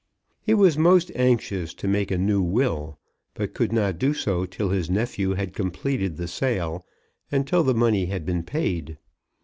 He was most anxious to make a new will, but could not do so till his nephew had completed the sale, and till the money had been paid.